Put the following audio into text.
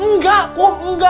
enggak kom enggak